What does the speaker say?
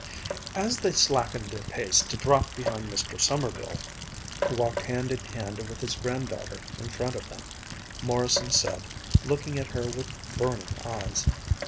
As they slackened their pace to drop behind Mr. Sommerville, who walked hand in hand with his granddaughter in front of them, Morrison said, looking at her with burning eyes